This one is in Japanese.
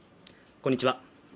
こんにちは